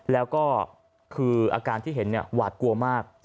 แล้วก็คืออาการที่เห็นหวาดกลัวมาก